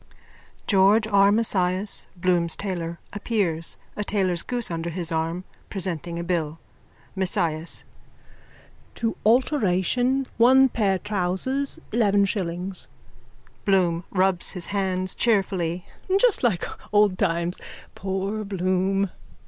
(George R Mesias, Bloom's tailor, appears, a tailor's goose under his arm, presenting a bill.) MESIAS: To alteration one pair trousers eleven shillings. BLOOM: (Rubs his hands cheerfully.) Just like old times. Poor Bloom!